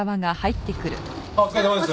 お疲れさまです。